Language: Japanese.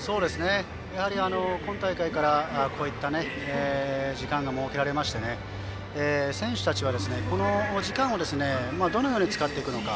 やはり今大会からこうした時間が設けられまして選手たちは、この時間をどのように使っていくのか。